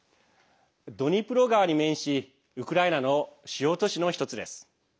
ドニプロ川に面しウクライナの主要都市の１つです。